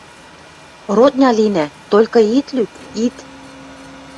Родня линӓ... Толькы ит лӱд, ит!..»